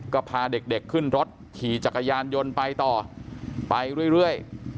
ก็พาเด็กขึ้นรถขี่จักรยานยนต์ไปต่อไปเรื่อย